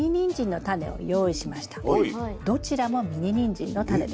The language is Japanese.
どちらもミニニンジンのタネです。